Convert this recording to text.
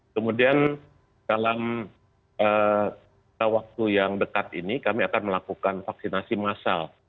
kemudian dalam waktu yang dekat ini kami akan melakukan vaksinasi massal